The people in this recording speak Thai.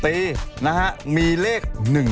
ตีนะฮะมีเลข๑๒